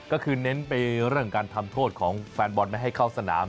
ก็คือเน้นไปเรื่องการทำโทษของแฟนบอลไม่ให้เข้าสนาม